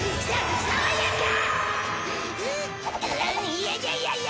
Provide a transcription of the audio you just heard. いやいやいやいや！